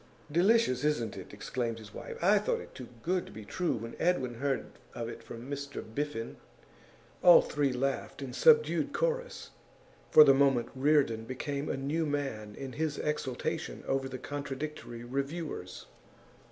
'Delicious, isn't it?' exclaimed his wife. 'I thought it too good to be true when Edwin heard of it from Mr Biffen.' All three laughed in subdued chorus. For the moment, Reardon became a new man in his exultation over the contradictory reviewers.